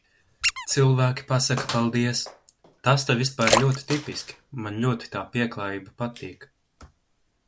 Cilvēki pasaka paldies. Tas te vispār ļoti tipiski, man ļoti tā pieklājība patīk.